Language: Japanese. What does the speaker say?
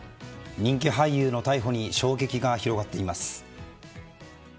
人気俳優の逮捕に衝撃が広がっています。